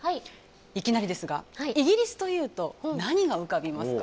いきなりですがイギリスというと何が浮かびますか？